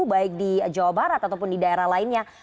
baik di jawa barat ataupun di daerah lainnya